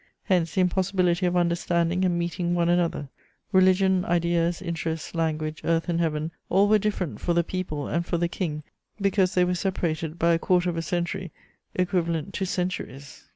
Hence the impossibility of understanding and meeting one another; religion, ideas, interests, language, earth and heaven, all were different for the people and for the King, because they were separated by a quarter of a century equivalent to centuries.